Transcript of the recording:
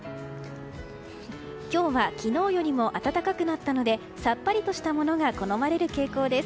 今日は昨日よりも暖かくなったのでさっぱりとしたものが好まれる傾向です。